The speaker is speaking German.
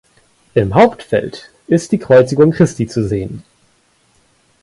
Im Hauptfeld ist die Kreuzigung Christi zu sehen.